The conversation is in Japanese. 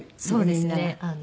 そうですね。